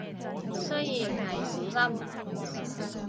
雖然係少深